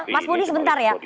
mas muni sebentar ya